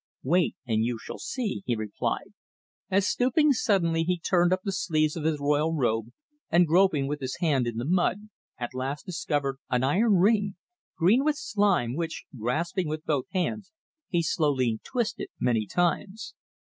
"Wait, and you shall see," he replied, as stooping suddenly he turned up the sleeves of his royal robe and groping with his hand in the mud, at last discovered an iron ring, green with slime, which, grasping with both hands, he slowly twisted many times.